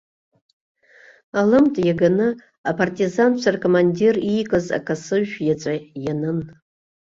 Алымт иаганы, апартизанцәа ркомандир иикыз акасыжә еиҵәа ианын.